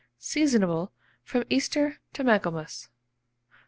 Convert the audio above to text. Seasonable from Easter to Michaelmas.